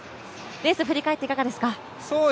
レースを振り返って、いかがですか？